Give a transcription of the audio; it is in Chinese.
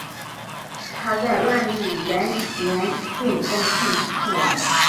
他在万历元年晋封庆王。